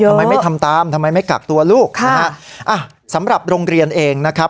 ทำไมไม่ทำตามทำไมไม่กักตัวลูกนะฮะอ่ะสำหรับโรงเรียนเองนะครับ